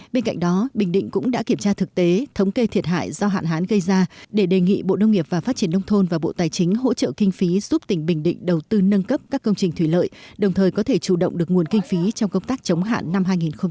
bên cạnh đó bình định cũng đã kiểm tra thực tế thống kê thiệt hại do hạn hán gây ra để đề nghị bộ nông nghiệp và phát triển nông thôn và bộ tài chính hỗ trợ kinh phí giúp tỉnh bình định đầu tư nâng cấp các công trình thủy lợi đồng thời có thể chủ động được nguồn kinh phí trong công tác chống hạn năm hai nghìn hai mươi